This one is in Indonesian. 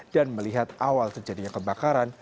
dan melihat awal terjadinya kebakaran